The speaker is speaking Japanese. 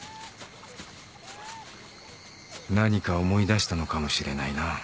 何か思い出したのかもしれないな。